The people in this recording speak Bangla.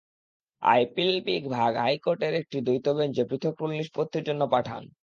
আপিল বিভাগ হাইকোর্টের একটি দ্বৈত বেঞ্চে পৃথক রুল নিষ্পত্তির জন্য পাঠান।